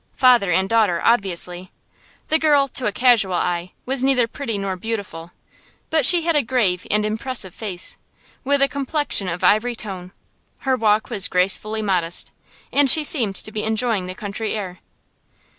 Father and daughter, obviously. The girl, to a casual eye, was neither pretty nor beautiful, but she had a grave and impressive face, with a complexion of ivory tone; her walk was gracefully modest, and she seemed to be enjoying the country air.